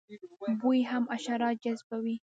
بوی هم حشرات جذبوي